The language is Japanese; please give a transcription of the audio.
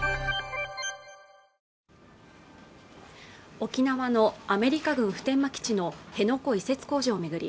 沖縄のアメリカ軍普天間基地の辺野古移設工事を巡り